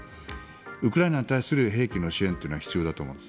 ウクライナに対する兵器の支援は必要だと思うんです。